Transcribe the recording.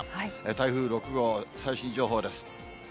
台風６号、最新情報です。